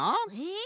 え！